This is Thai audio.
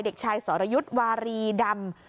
เด็กชายสรยุทธ์วารีดำ